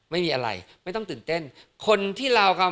ไม่มีอะไรไม่ต้องตื่นเต้นคนที่ลาวเขา